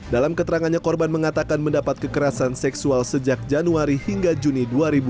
dalam keterangannya korban mengatakan mendapat kekerasan seksual sejak januari hingga juni dua ribu dua puluh